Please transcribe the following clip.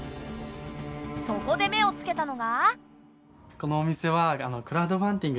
そこで目をつけたのが。